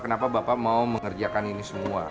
kenapa bapak mau mengerjakan ini semua